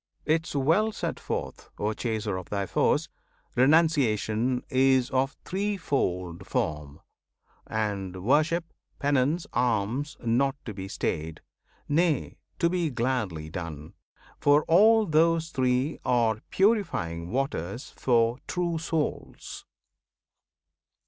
'Tis well set forth, O Chaser of thy Foes! Renunciation is of threefold form, And Worship, Penance, Alms, not to be stayed; Nay, to be gladly done; for all those three Are purifying waters for true souls!